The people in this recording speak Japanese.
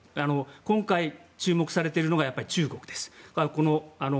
今回、注目されているのがやっぱり、中国です。